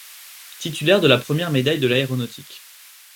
Titulaire de la première médaille de l'Aéronautique.